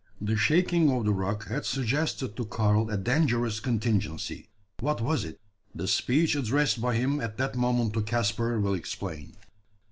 The shaking of the rock had suggested to Karl a dangerous contingency. What was it? The speech addressed by him at that moment to Caspar will explain.